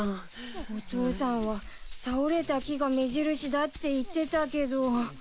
お父さんは倒れた木が目印だって言ってたけど。